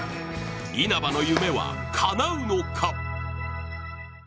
稲葉の夢はかなうのか。